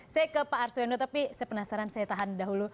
saya ke pak arswendo tapi saya penasaran saya tahan dahulu